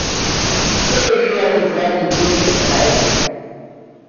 Foi o fiel retrato de seu pai.